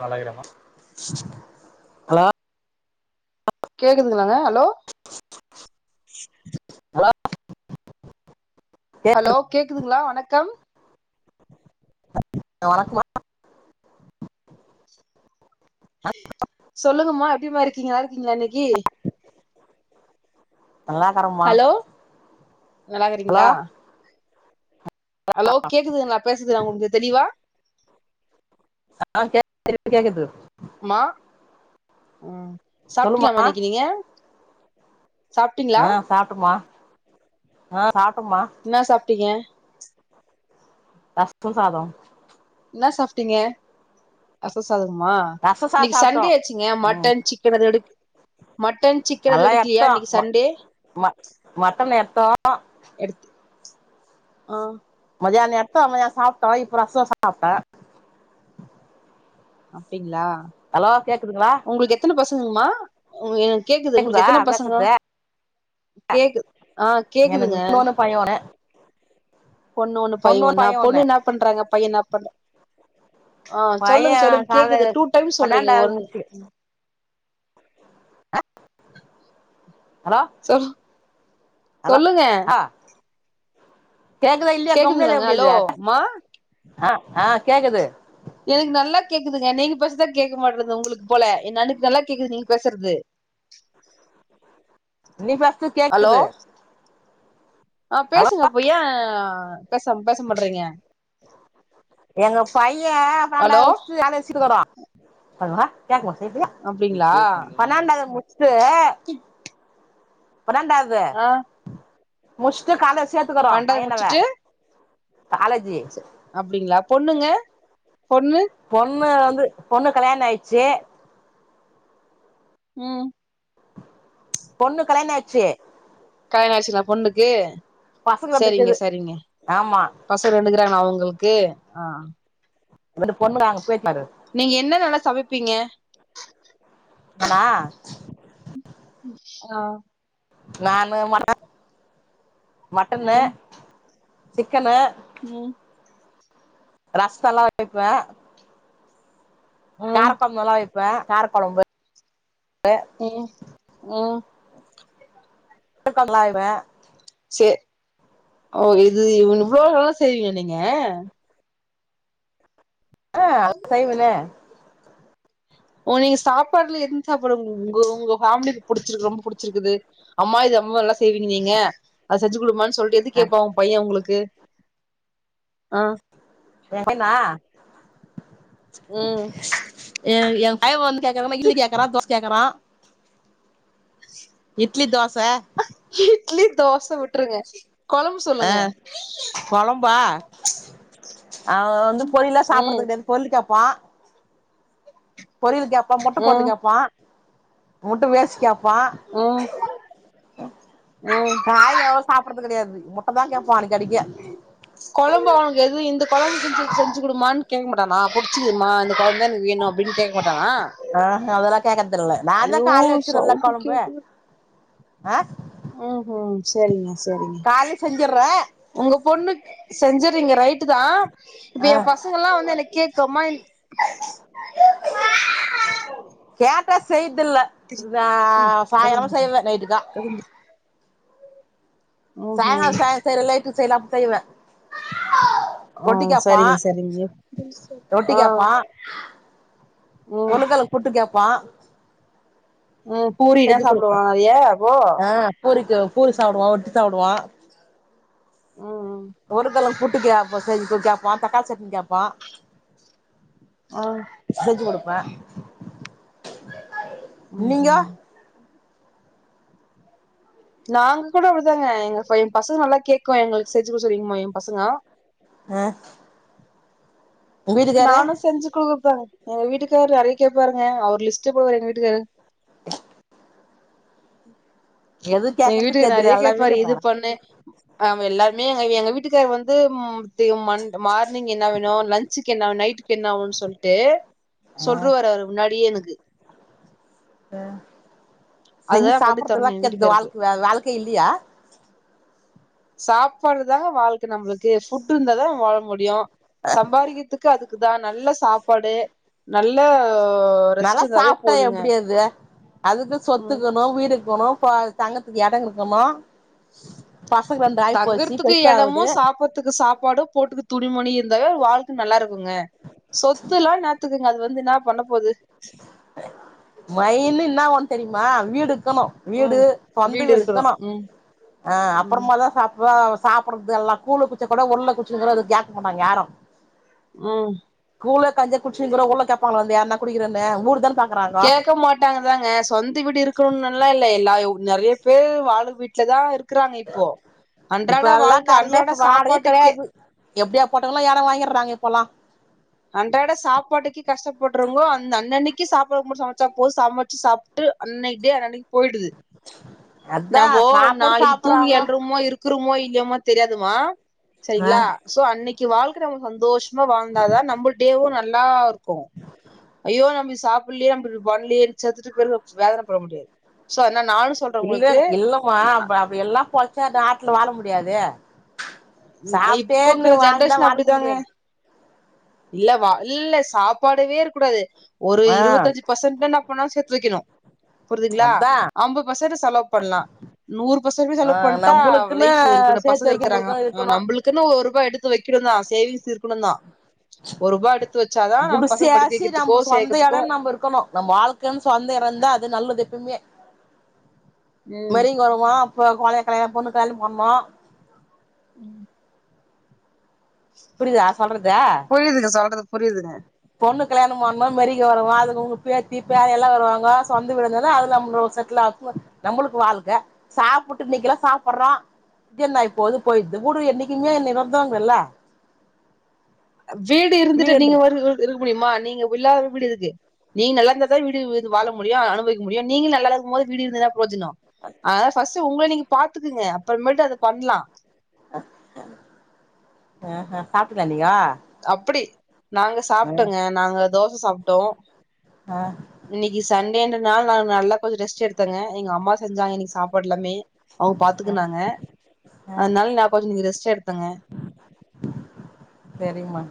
நாலாயிரமா கேக்குதுங்களாங்க hello hello hello கேக்குதுங்களா வணக்கம் வணக்கம் சொல்லுங்கம்மா எப்டிமா இருக்கீங்க நல்லா இருக்கீங்களா இன்னிக்கு நல்லா இருக்கரம்மா நல்லாக்கிறீங்களா ஹலோ கேக்குதுங்களா பேசுறது உங்களுக்கு தெளிவா ஆ கேக்குது கேக்குது அம்மா ம்ம் சொல்லுமா சாப்டிங்களாமா இன்னிக்கு நீங்க சாப்ட்டீங்களா சாபட்டமா ஆ சாப்டமா என்ன சாப்ட்டீங்க ரச சாத என்ன சாப்பிட்டீங்க ரச சாதமா ரச சாதம் இன்னிக்கு சாப்ட்டோ சண்டே ஆச்சிங்க ம் மட்டன் சிக்கன் எது எடுக் மட்டன் சிக்கன் எது நல்லா எடுக்கலயா எடுத்தோ இன்னிக்கு ம சண்டே ம மட்டன் எடுத்தோ ஆ மதியான எடுத்த மைய சாப்ட்ட இப்ப ரச சாப்ட்ட. அப்டிங்களா அலோ கேக்குதுங்களா உங்களுக்கு எத்தன பசங்கமா உங்க இது கேக்குது உங்களுக்கு கேக்குதா எத்தன பசங்க பேசறது கேக்குது ஆ கேக்குதுங்க பையோ ஓன்ன பொண்ணு ஒண்ணு பைய ஒன்னா பொண்ணு என்ன பண்றாங்க பைய என்ன பண்ற ஆ பைய சொல்லுங்க சொல்லுங் காலைல கேக்குது டூ டைம்ஸ் சொல்றீங்க பன்னெண்டாவது ஒன் முடிச்சு ஹலோ ச சொ ஹலோ சொல்லுங்க ஆ கேக்குதா இல்லயா கம்னது கேக்குதுங்களாங்க ஹலோ எப்டித மா ஆ கேக்குது எனக்கு நல்லா கேக்குதுங்க நீங்க பேசுரதா கேட்க மாட்டறது உங்ளுக்கு போல என் அனுக்கு நல்லா கேக்குது நீங்க பேசுறது நீ பேஸ்து ஹலோ கேக்குது ஆ ஹலோ பேசுங்க அப்ப எய எங்க பைய ஹலோ பண்டாவது அப்டிங்களா [unintelligible] பன்னெண்டாது முடி [unintelligible] பன்னெண்டாது ஆ முஷ்டு காலேஜ் சேத் க்கறோம பண்றத பையனவ முடிச்சுட்டு காலேஜ்ஜு அப்டிங்ளா பொண்ணுங்க பொண்ணு பொண்ணு வந்து பொண்ணு கல்யாண ஆயிச்சு ம் பொண்ணு கலயணாச்சு கல்யாண ஆயிடுச்சுங்களா பொண்ணுக்கு பசங்க சரிங்க இருக்குது சரிங்க ஆமா பசங்க நின்னுக்குறாங்களா அவுங்களுக்கு அந்த பொண்ணு அங்க போய் பாரு. நீங்க என்ன நல்லா சமப்பீங்க நானா ஆ நானு ம [inaudible] மட்டன்னு ம் சிக்கன்னு ம் ரசோல்லா இருக்கா ம் காரக்கொழம்பு நல்லா வெப்பே‌ கார கொழம்பு ம் ம் [unintelligible] சேர் ஓ இது இவ் இவ்ளோ வேல செய்வீங்க நீங்க ஆ செய்வனே ஓ நீங்க சாப்பாடுல எந்த சாப்பாடு உங் உங்க உங்க ஃபேம்லிக்கு புடிச்சிருக்கு ரொம்ப புடிச்சிருக்குது அம்மா இது ரொம்ப நல்லா செய்வீங்க நீங்க அத செஞ்சி குடுமான்னு சொல்ட்டு எது ஆ கேப்பா ஓ பைய உங்களுக்கு ம் வேறென்னா ம் எ எ பைய வந்து கேக்குறாமா இல்லி கேக்குறா தோச கேக்குறா இட்லி தோச இட்லி தோச விட்ருங்க கொழம்பு ஆ சொல்லுங்க கொழம்பா அவ வந்து பொரிய்லா சாப்புட்றது ம் கெடையாது பொரிய்லு கேப்பா பொரியல் கேப்பா முட்ட பொரிய்லு ம் கேப்பா முட்ட வேஷ் கேப்பா ம் ம் காய் அவள சாப்புட்றது கெடையாது முட்ட தா கேப்பா அடிக்கடிக்க கொழம்பு அவனுக்கு எது இந்த கொழம்பு செஞ்சு செஞ்சி குடும்மான் கேட்கமட்டானா புடிச்சிதுமா இந்த கொழம்பு தா எனக்கு வேணு அப்டின்னு கேக்க கேட்டானா ஆ ஹ அதெல்லா கேக்கற்து இல்ல நா தா கால்லே வெச்சிருவல்ல சவுண்டு கொழம்பு கேக்கு ஆ ம்ஹும் சரிங்க சரிங்க கால்லே செஞ்சுட்றே உங்க பொண்ணுக்கு செஞ்சுறீங்க ரைட் ட்டுதா இப்ப ஆ எ பசங்கலா வந்து என்ன கேக்கு அம்மா எனக் கேப்பா செயற்தில்ல முடிஞ்சா சாயாலமா செய்வே நைட்டுக்கா ஓகே மேடம் தேங்கா ம்ஹும் சாத சேர் [unintelligible] செய்லா அப்டின் செய்வே ஆ ரொட்டி கேப்பா சரிங்க சரிங்க ரொட்டி ஆ கேப்பா ம் கொண்டக்கட்ல புட்டு கேப்பா ம் பூரிதா செஞ்சு குடுப்பே சாப்டுவானா நெறையா அப்போ ஆ பூரிக்கு பூரி சாப்டுவா ரொட்டி சாப்டுவா ம் ம் ஒரு கல்ல புட்டு கேப்பா செஞ்சு கேப்பா தக்காளி சட்னி கேப்பா ஆ செஞ்சு குடுப்பே ம் நீங்க ம் நாங்க கூட அப்டிதாங்க எங்க பைய எ பசங்கலா கேக்வா எங்களுக்கு செஞ்சுக்குடுக் சொல்றீங்மா எ பசங்களா அ நானு செஞ்சு குடுப்பேங் எங்க வீட்டுக்காரு நெறைய கேப்பாருங்க அவரு லிஸ்ட்டு போடுவாரு எங்க வீட்டுக்காரு ஆஹ எங்க கேக்கறதுன்னு வீட்டுக்காரு நறைய தெர்ல எல்லாமே கேப்பாரு இது கேப்பாரா பண்ணு ஆமா எல்லாருமே எங்க எங்க வீட்டுக்காரு வந்து தே மண்ட் மார்னிங் என்னா வேணும் லஞ்சுக்கு என்னா நைட் என்னாவுன்னு சொல்ட்டு ஆ சொல்ருவாரு அவரு முன்னாடியே எனக்கு ஹ சென் அதுதா பண்ணி சாப்பட்றதுல்லா தரணு எங்க கெத்து வால் வீட்டுக்காருக்கு வாழ்க்கை இல்லியா சாப்பாடுதாங்க வாழ்க்க நம்ளுக்கு ஃபுட் இருந்தாதா நம்ம வாழ முடியும் சம்பாரிக்கிதுக்கு அதுக்குதா நல்ல சாப்பாடு நல்ல ரெஸ்ட் நல்லா இருந்தாவே சாப்ட்டா போதுங்க எப்படி அது அதுக்கு சொத்து ம் இக்கணும் வீடு இக்கணும் ஃபா தங்கத்துக்கு எடம் இருக்கணும் பசங்க வந்தா தங்குறதுக்கு எடமு சாப்புற்துக்கு சாப்பாடும் போட்டுக்க துணிமணி இருந்தாவே வாழ்க்கை நல்லா இருக்குங்க சொத்துல்லா ன்னாதுக்குங்க அது வந்து என்ன பண்ண போது மைனு என்னா ஒன்னு தெரியுமா வீடு இக்கணும் வீடு ம் சொந்த வீடு இருக்கணு இக்கணும் ம் அ ம் அப்பறமா தா சாப்பா சாப்பட்றது எல்லா கூலு குச்சா கூட உள்ள குச்சுன்னுகிறோ அது கேக்க மாட்டாங்க யாரும் ஹ கூலோ கஞ்சியோ குடிச்சின்னுகிறோ உள்ள கேப்பாங்களா வந்து யார்னா குடிக்கிறன்னு ஊடு தானே பாக் கேக்க மாட்டாங்கதாங்க சொந்த வீடு இருக்கணும்னு அப்பில்லா இல்ல எல்லா நெறைய பேர் வாடக வீட்ல தா இக்குறாங்க இப்போ இப்ப அன்றாட வாழ்க்கை அன்றாட சாப்பாட்டுக்கே எப்டியா பட்டவங்களு எடம் வாங்கிட்றாங்க இப்பல்லா அன்றாட சாப்பாட்டுக்கே கஷ்டப்பட்றவங்கோ அந்த அன்னன்னைக்கு சாப்பாடு மட்டு சமைச்சா போதும் சமைச்சி சாப் ட்டு அன்னைக்ட்டே அன்னனைக்கு போயிடுது அதா நமோ சாப்பாடு நாளைக்கு தூங்கி சாப்பறாங்க எழ்றமோ இருக்குறமோ இல்லையோமோ தெரியாதுமா ஆ சரிங்ளா சோ அன்னைக்கு வாழ்க்கை நம்ம சந்தோஷமா வாழ்ந்தாதா நம்மளு டேவும் நல்லா இருக்கும் ஐய்யோ நம்ம சாப்பிட்லயே அப்பறோ பண்லையே செத்துட்டபிறகு வேதனை பட முடியாது சோ அனால நானும் சொல்ற உங்களுக்கு இப்டில்லா பொழச்சா நாட்டுல வாழ முடியாதே இப்ப சாப்ட்டேன்னு இருக்கிற வாழ்ந்தா ஜென்ரேஷன் வாழ்க்க அப்டிதாங்க முடியாது இல்ல வா இல்ல சாப்பாடாவே இருக்க கூடாது ஒரு ஆ இருவத்தஞ்சு பர்சன்ட் என்னா பண்ணணும் சேத்து வெக்கணும் புரிதுங்ளா அதா ஐம்ப பர்சன்ட் செலவு பண்லா நூறு பர்சன்ட்டுமே ஆ செலவ் பண்ட்டா நம்மளுக்குன்னு லைப் இருக்கு சேர்த்து பசங்க வைக்க இருக்கறாங்க நம்மளுக்குன்னு அ இருக்கணு நம்ளுக் குன்னு ஒருபா எடுத்து வெக்கணும் தா சேவிங்ஸ் இருக்கணும் தா பசங்க படிக்க குடிசையாச்சு வைக்கிறதுக்கோ நம்ம சொந்த சேக்கறதுக்கோ இடம்னு நம்ப இருக்கணு நம்ம வாழ்க்கைன்னு சொந்த எடந்தா அது நல்லது எப்பைமே ம் வரிங்க வருமா இப்ப கோழக்கலையா எம் பொண்ணுக் கல்யாணம் பண்ணோ ம் புரியுதா சொல்றது புரியுதுங்க சொல்றது புரியுதுங்க பொண்ணுக்கு கல்யாணம் பண்ணோ மேரிக்க வருவோ அதுக்கு உங்க பேத்தி பேர எல்லா வருவாங்க சொந்த வீடு இருந்தாத அதுலப் [unintelligible] எல்லாக்கு நம்பளுக்கு வாழ்க்கை சாப்பிட்டு இன்னிகல்லா சாப்பட்றோ இது என்ன இப்போது போயிடுது ஊடு என்னைக்குமே நிரந்தரோமில்ல ஜீடு இருந்துட்டு நீங்க வீடுன்றது வரு சொல்ட்டு இருக்க முடியுமா நீங்க இல்லாத வீடு எதுக்கு நீங்க நல்லா இருந்தாதா வீடு வந்து வாழ முடியு அனுபவிக்க முடியு நீங்க நல்லா இல்லாத போது வீடு இருந்தா புரோஜினோ அதனால பர்ஸ்ட் உங்கள நீங்க பாத்துக்குங்க அப்புறமேட்டு அத பண்ணலா ஆ ஆ சாப்டீங்ளா நீங்கோ அப்புடி நாங்க சாப்டோங்க நாங்க தோச சாப்டோ ஆ இன்னைக்கி சண்டேன்றது நாள நா நல்லா கொஞ்சோ ரெஸ்ட் எடுத்தங்க எங்க அம்மா செஞ்சாங்க இன்னைக்கு சாப்பாடு எல்லாமே அங்க ஆ பாத்துக்குனாங்க அதனால நா கொஞ்சோ இன்னிக் ரெஸ்ட் எடுத்தங்க செரிங்மா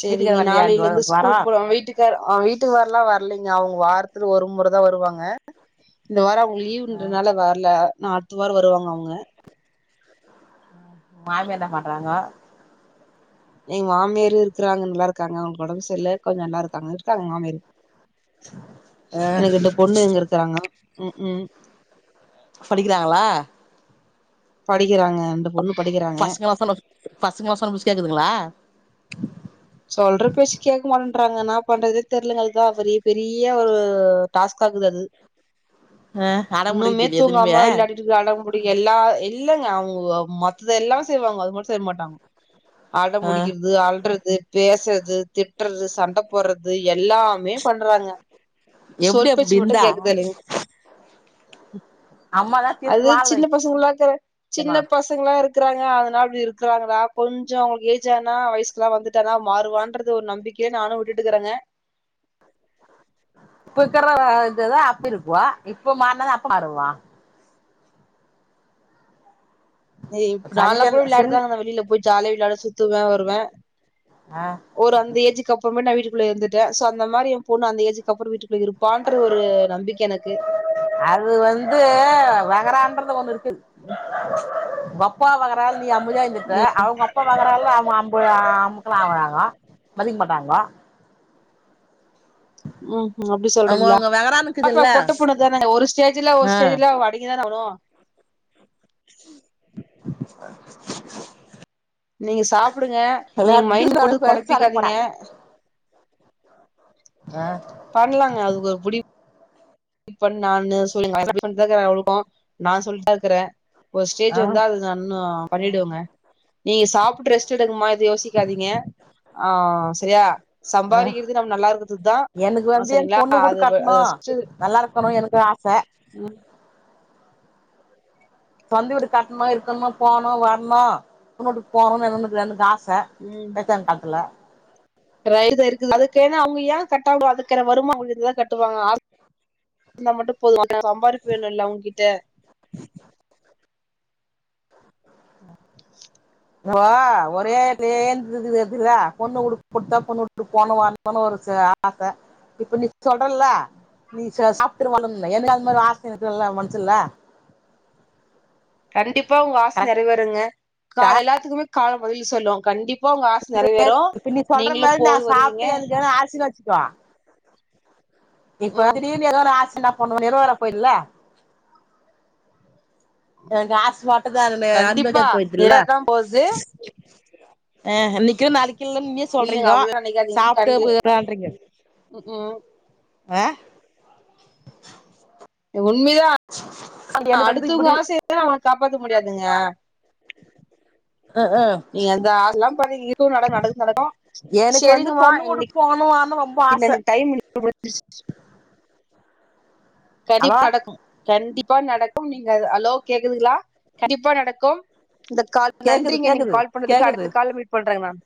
சேரிங்க நாாளையில இருந்து ஸ்கூலுக்கு போலா வீட்டுக் வீட்டுக்கார் அ வீட்டுக்கு வர்லா வர்லைங்க அவுங்க வாரத்து ஒரு மொறதா வருவாங்க இந்த வாரோ அவு ஆ லீவுன்றனால வர்ல நா அடுத்த வாரோ வருவாங்க அவுங்க மாமியார் இன்னா பண்றாங்கோ எங்க மாமியாரு இருக்குறாங்க நல்லா இருக்காங்க அவுங்க ஒடம்பு செர்ல கொஞ்சோ நல்லா இருக்காங்க இருக்காங்க எங் மாமியாரு ஆ எனக்கு இந்த பொண்ணு எங்க இருக்கறாங்க ம் ம் படிக்றாங்ளா படிக்கிறாங்க அந்த பொண்ணு படிக்கிறாங்க பசங்லா சொன்ன பசங்லா சொன்ன பேச்சு கேக்குதுங்ளா சொல்ற பேச்சு கேட்க மாட்டேன்றாங்க என்னா பண்றது தெர்லங்க அதுக்குதா பெரிய பெரிய ஒரு டாஸ்க்காகுது அது அ அடோ புடிக்கிர்தில்லையா திரும்பியே வீட்ல அடம் புடிக் எல்லா இல்லங்க அவுங்க மத்ததெல்லா செய்வாங்கோ அது மட்டு செய்ய மாட்டாங்கோ ஆ அடபுடிக்கிற்து அள்றது பேசறது திட்டறது சண்ட போட்றது எல்லாமே பண்றாங்க எப்டி சொல் பேச்சு அப்டி மட்டு இருந்தா கேக்கறதுல்லிங்க அம்மாதா திருப்பி அது வாழ சின்ன பசங்குலாக் கிறே சின்னப்ப வைக்கணு சின்ன பசங்களா இருக்கறாங்க அதனால அப்டி இருக்காங்ளா கொஞ்சோ அவுங்களுக்கு ஏஜ் ஆனா வயசுக்லா வந்துட் டனா மாறுவான்றது ஒரு நம்பிக்கை நானு உட்டுட்டுகிறேங்க இப்ப கிறவோ இதுதா அப்ப இருப்பா இப்ப மாற்னாதா அப்ப மாறுவா இப்ப நாளா சஞ்சல் கூட சின் விளையாடிதாங்க மேம் வெளில போய் ஜாலியா விளையாடுவ சுத்துவே வருவே ஆ ஒரு அந்த ஏஜிக்கு அப்புறமா நா வீட்டுகுள்ள இருந்துட்டே சோ அந்த மாரி எயா பொண்ணு அந்த ஏஜிக்கு அப்றோ வீட்டுக்குள்ள இருக் பான்ற ஒரு நம்பிக்க எனக்கு அது வந்து வகறான்றது ஒண்ணு இருக்குது உங்கொப்பா வாகறால நீ அமைதியா இருந்துருப்ப அவுங்க அப்பா வாகறால அவு அம்பு வாங்கறாங்கோ மதிக்க மாட்டாங்கோ ம் ம் அப்டி சொல்றீங்ளா அவங்கவுங்க வகறான் பாக்கலா இருக்குதுல்ல பொட்ட பொண்ணு தானேங்க ஒரு ஸ்டேஜ் இல்ல ஒரு ஆ ஸ்டேஜில அடங்கிதானே ஆவணு நீங்க சாப்புடுங்க நீங்க லட்டு மைண்ட் போட்டு பெருசா இருக்க போறே கொழப்பிக்காதீங்க ஆ பண்ணலாங்க அதுக்கு ஒரு முடிவு இப்ப நானு சொல்லின் தா கிறே அவ்ளுக்கு நா சொல்லின்தா இருக்கிறே ஒரு ஸ்டேஜ் ஆ வந்தா அது நன்னு பண்ணிடுவங்க நீங்க சாப்புட்டு‌ ரெஸ்ட் எடுங்கமா எது யோசிக்காதீங்க ஆ செரியா ஆ சம்பாதிக்கிறது நம்ம நல்லா இருக்கறதுக்கு தா எனக்கு வந்து என் செரிங்களா பொண்ணு வீடு அது இப் கட்டணு அது நல்லா இருக்கணோ எனக்கோ ஆச ம் சொந்த வீடு கட்ணோ இருக்கணுமா போணோ வர்ணோ பொண்ணு வூட்டுக்கு போணோனு வேனோனு எனக்கு ஆச உம் பேஷன் கால்த்துல ர இருக்கோ இருக்குது அதுக்கென்ன அவுங்க ஏ கட்டாம ஒதுக்கற வருமானோ உள்ளவங்கதா கட்டுவாங்க நானா மட்டு போதும் ஆனா சம்பாரிப்பு வேணோல்ல அவுங்கிட்ட [unintelligible] ஓ ஒரே எடத்துல ஏந்ததுதுல பொண்ணு குடு குத்தா பொண்ணு போன வாரோதான ஒரு சி ஆக்க இப்ப நீ சொல்றல நீ ச சாப்பிட்டுரு வாழுனோனு எனக்கு அது மாதிரி ஆசை இருக்குல மனசுல்ல கண்டிப்பா உங்க ஆச கரெக்டா நிறைவேருங்க கால எல்லாத்துக்குமே காலோ பதில் சொல்லோ கண்டிப் [unintelligible] இப்ப நீ சொல்ற மாதிரி நா போய் வருவீங்க சாப்ட்டு எனக்கு எதா ஆச்சுனு வெச்சுக் சிகோ இப்ப ம் திடீர்னு எதா ஒன்னு ஆச்சுனா என்ன பண்ணுவ நிறைவேறாத போயிடுல ஏ காஸ் வாட்டத கண்டிப்பா அனுபவிக்காது போய்டுதுல நிறைவேறதான் போகுது ஆ இன்னிக்கோ நாளைக்கோ இல்ல நீயே இல்லங்க சொல்றீங்கோ அவ்வளவு நினைக்காதீங்க சாப்ட்டு கண்டி போய்றான்றீங்க ம் ஆ உண்மைதா எனக்கு வந்து அடுத்தவுங்க இப்டி ஆசையலா நாம காப்பாத்த முடியாதுங்க ம் ஹு நீங்க அந்த ஆசலா பட்றீங்க இர்க்கறது நட நடக்கு நடக்கோ செரிங்கமா இன்னிக்கு ஆமா ரொம்ப ஆச [unintelligible] கதி ஹலோ கடக்கோ கண்டிப்பா நடக்கும் நீங்க அலோ கேக்குதுங்களா கண்டிப்பா நடக்கும் இந்த கால் கேக்குது நன்றிங்க நீங்க கேக்குது கால் பண்ணதுக்கு கேக்குது அடுத்த கால்ல மீட் பண்றேங்க நான்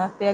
ஆ செரிங்க